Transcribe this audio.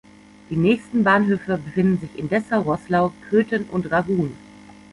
Die nächsten Bahnhöfe befinden sich in Dessau-Roßlau, Köthen und Raguhn.